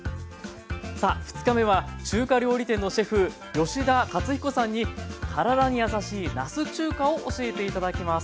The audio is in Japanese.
さあ２日目は中華料理店のシェフ吉田勝彦さんに体にやさしいなす中華を教えていただきます。